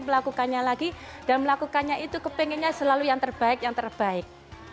melakukannya lagi dan melakukannya itu kepinginnya selalu yang terbaik yang terbaik